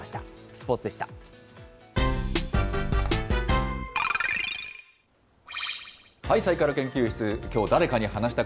スポーツでした。